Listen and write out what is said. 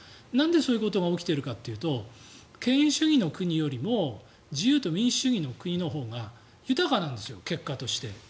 なんでそういうことが起きているかというと権威主義の国よりも自由と民主主義の国のほうが豊かなんですよ、結果として。